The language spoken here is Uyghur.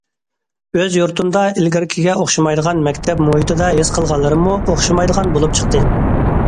ئۆز يۇرتۇمدا ئىلگىرىكىگە ئوخشىمايدىغان مەكتەپ مۇھىتىدا ھېس قىلغانلىرىممۇ ئوخشىمايدىغان بولۇپ چىقتى.